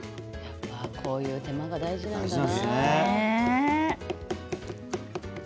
こういう手間が大事なんだな。